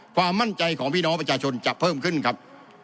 ความมั่นใจของพี่น้องประชาชนจะเพิ่มขึ้นครับ